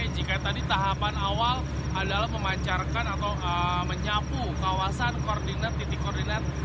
jika tadi tahapan awal adalah memancarkan atau menyapu kawasan koordinat titik koordinat